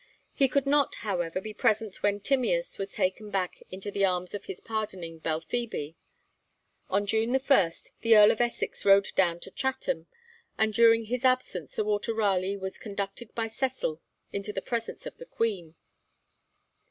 He could not, however, be present when Timias was taken back into the arms of his pardoning Belphoebe. On June 1, the Earl of Essex rode down to Chatham, and during his absence Sir Walter Raleigh was conducted by Cecil into the presence of the Queen.